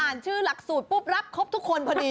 ชื่อหลักสูตรปุ๊บรับครบทุกคนพอดี